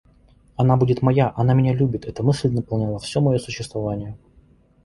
Она будет моя! она меня любит! Эта мысль наполняла все мое существование.